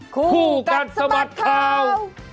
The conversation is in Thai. คู่กันสมัครข่าว